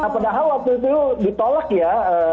padahal waktu itu ditolak ya